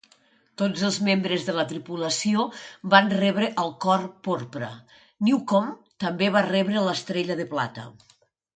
Tots els membres de la tripulació van rebre el Cord Porpra, Newcomb també va rebre l'Estrella de Plata.